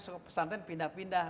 saya kan pesantren pindah pindah